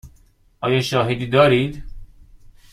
آیا شاهدی دارید؟